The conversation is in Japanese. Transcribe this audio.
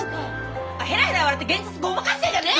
ヘラヘラ笑って現実ごまかしてんじゃねえ！